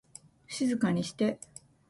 静かにして